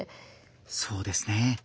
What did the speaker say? そうですね。